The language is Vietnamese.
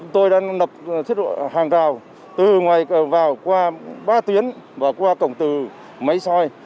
tôi đã nập thiết hàng rào từ ngoài vào qua ba tuyến và qua cổng từ máy soi